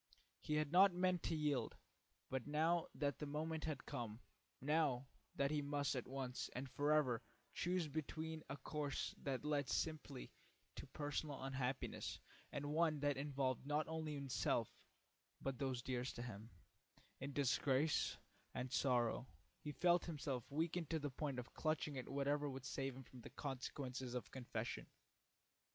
He had not meant to yield, but now that the moment had come, now that he must at once and forever choose between a course that led simply to personal unhappiness and one that involved not only himself, but those dearest to him, in disgrace and sorrow, he felt himself weaken to the point of clutching at whatever would save him from the consequences of confession.